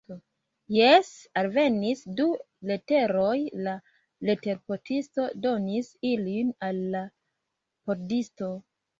Jes, alvenis du leteroj, la leterportisto donis ilin al la pordisto.